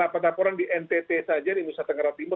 saya lapar dapuran di ntt saja di nusa tenggara timur